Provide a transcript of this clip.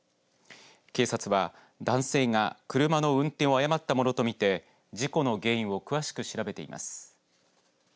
警察は男性が車の運転を誤ったものと見て事故の原因を詳しく調べています。